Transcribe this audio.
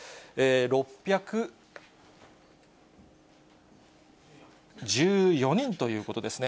６１４人ということですね。